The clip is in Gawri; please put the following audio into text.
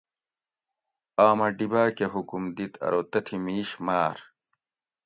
آمہ ڈیباۤ کہ حکم دِت ارو تتھی مِیش ماۤر